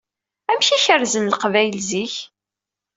Amek i kerrzen Leqbayel zik?